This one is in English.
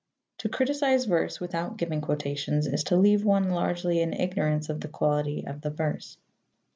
To criticize verse without giving quotations is to leave one largely in ignorance of the quality of the verse.